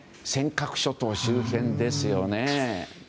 尖閣諸島周辺ですよね。